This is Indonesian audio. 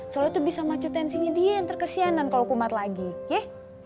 soalnya tuh bisa macut tensinya dia yang terkesianan kalo kumat lagi ye